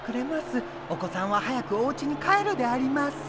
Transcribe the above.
お子さんは早くおうちに帰るであります。